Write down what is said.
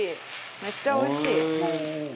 めっちゃおいしい。